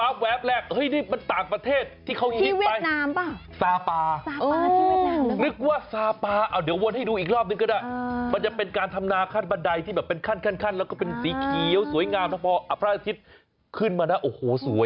ไม่ใช่เวียดนามที่เห็นอยู่สองแขวพิศนุโลก